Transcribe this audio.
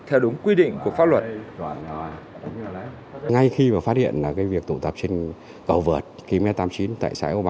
theo đúng quy định của pháp luật